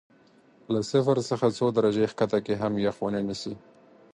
له صفر څخه څو درجې ښکته کې هم یخ ونه نیسي.